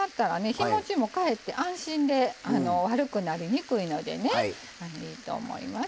日もちもかえって安心で悪くなりにくいのでねいいと思います。